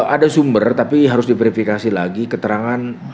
ada sumber tapi harus diverifikasi lagi keterangan